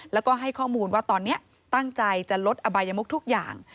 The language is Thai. แล้วก็ให้ข้อมูลว่าตอนนี้ตั้งใจจะลดอบายมุกทุกอย่าง